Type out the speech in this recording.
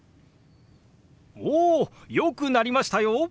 およくなりましたよ！